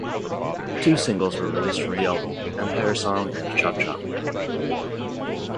Two singles were released from the album: "Empire Song" and "Chop-Chop".